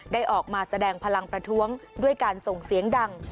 ได้ออกมาแสดงพลังประท้วงด้วยการส่งเสียงดัง